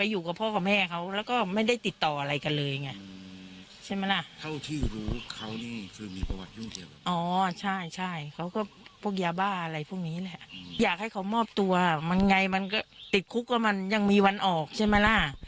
อยากให้เขามอบตัวมันไงมันก็ติดคุกว่ามันยังมีวันออกใช่ไหมล่ะ